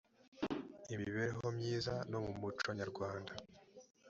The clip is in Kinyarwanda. imibereho myiza no mu muco nyarwanda